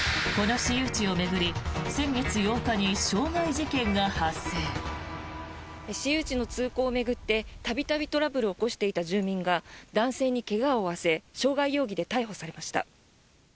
私有地の通行を巡って度々トラブルを起こしていた住民が男性に怪我を負わせ傷害容疑で逮捕されました。